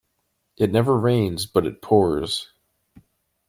It never rains but it pours.